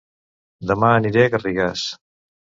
Dema aniré a Garrigàs